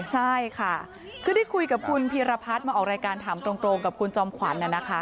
ใช่ค่ะคือได้คุยกับคุณพีรพัฒน์มาออกรายการถามตรงกับคุณจอมขวัญ